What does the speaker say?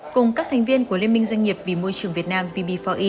cùng các thành viên của liên minh doanh nghiệp vì môi trường việt nam bb bốn e